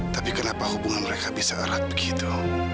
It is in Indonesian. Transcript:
tapi kenapa hubungan mereka bisa erat begitu